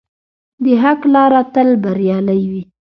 د حق لاره تل بریالۍ وي.